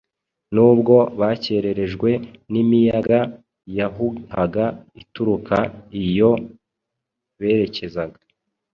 Nubwo bakererejwe n’imiyaga yahuhaga ituruka iyo berekezaga